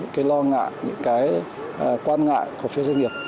những lo ngại những quan ngại của phía doanh nghiệp